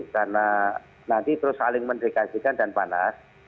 karena nanti terus saling mendrikasikan dan panas